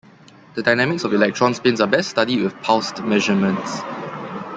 The dynamics of electron spins are best studied with pulsed measurements.